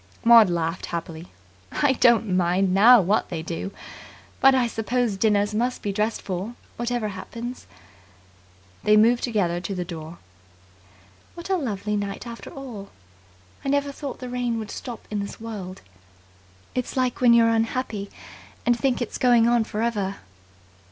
Maud laughed happily. "I don't mind now what they do. But I suppose dinners must be dressed for, whatever happens." They moved together to the door. "What a lovely night after all! I never thought the rain would stop in this world. It's like when you're unhappy and think it's going on for ever."